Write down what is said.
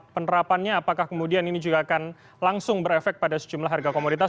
penerapannya apakah kemudian ini juga akan langsung berefek pada sejumlah harga komoditas